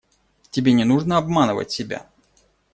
Тебе не нужно обманывать себя.